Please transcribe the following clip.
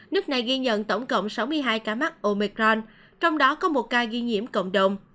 nước này ghi nhận tổng cộng sáu mươi hai ca mắc omecron trong đó có một ca ghi nhiễm cộng đồng